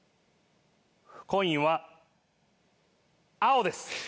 コインは青です。